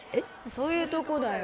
そういうとこだよ